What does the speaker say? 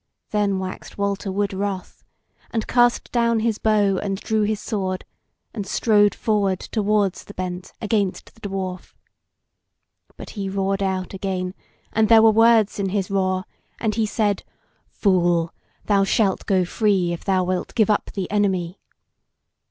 Then waxed Walter wood wroth, and cast down his bow and drew his sword, and strode forward towards the bent against the Dwarf. But he roared out again, and there were words in his roar, and he said "Fool! thou shalt go free if thou wilt give up the Enemy."